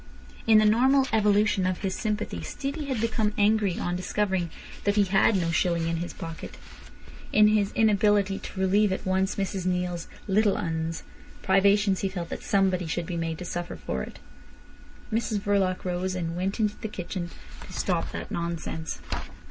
In the normal evolution of his sympathy Stevie had become angry on discovering that he had no shilling in his pocket. In his inability to relieve at once Mrs Neale's "little 'uns'" privations, he felt that somebody should be made to suffer for it. Mrs Verloc rose, and went into the kitchen to "stop that nonsense."